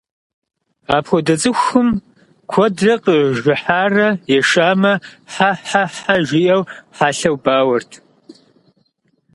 Апхуэдэу, цӀыхум куэдрэ къижыхьарэ ешамэ «хьэ-хьэ-хьэ» жиӀэу хьэлъэу бауэрт.